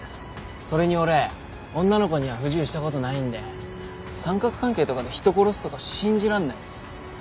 それに俺女の子には不自由した事ないんで三角関係とかで人を殺すとか信じらんないです。